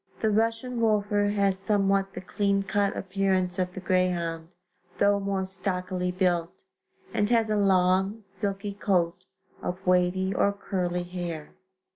The Russian Wolfer has somewhat the clean cut appearance of the greyhound, though more stockily built, and has a long, silky coat of wavy or curly hair.